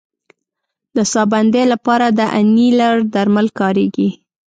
د ساه بندۍ لپاره د انیلر درمل کارېږي.